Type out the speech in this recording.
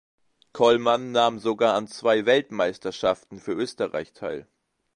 Kollmann nahm sogar an zwei Weltmeisterschaften für Österreich teil.